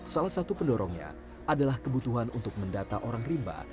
salah satu pendorongnya adalah kebutuhan untuk mendata orang rimba